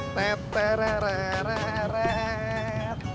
tapi saya bahagia jak